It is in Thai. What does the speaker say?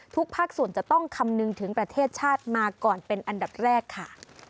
ภาคส่วนจะต้องคำนึงถึงประเทศชาติมาก่อนเป็นอันดับแรกค่ะ